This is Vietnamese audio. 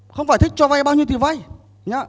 không phải thích cho vay bao nhiêu tiền vay